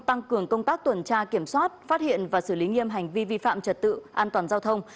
tăng cường công tác tuần tra kiểm soát phát hiện và xử lý nghiêm hành vi vi phạm trật tự an toàn giao thông